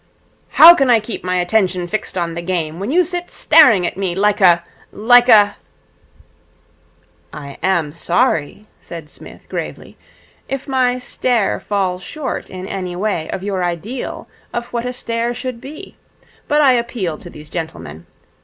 'How can I keep my attention fixed on the game when you sit staring at me like a like a ' 'I am sorry,' said Psmith gravely, 'if my stare falls short in any way of your ideal of what a stare should be; but I appeal to these gentlemen.